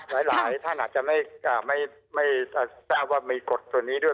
หลายท่านอาจจะไม่ทราบว่ามีกฎตัวนี้ด้วย